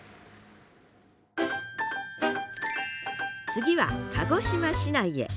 次は鹿児島市内へ。